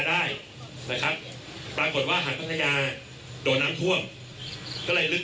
ได้นะครับปรากฏว่าหาดพัทยาโดนน้ำท่วมก็เลยลึก